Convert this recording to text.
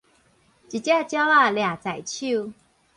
一隻鳥仔掠在手